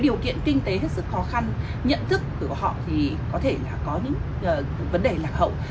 điều kiện kinh tế rất khó khăn nhận thức của họ có thể có những vấn đề lạc hậu